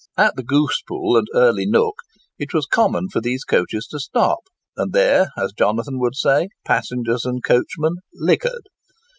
At the Goose Pool and Early Nook, it was common for these coaches to stop; and there, as Jonathan would say, passengers and coachmen 'liquored.